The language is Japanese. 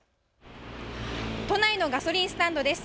都内のガソリンスタンドです。